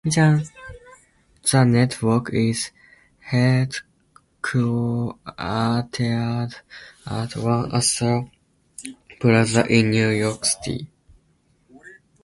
The network is headquartered at One Astor Plaza in New York City.